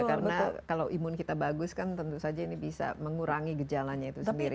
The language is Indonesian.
karena kalau imun kita bagus kan tentu saja ini bisa mengurangi gejalanya itu sendiri